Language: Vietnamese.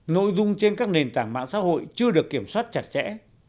nội dung trên các nền tảng mạng xã hội chưa được kiểm soát chặt chẽ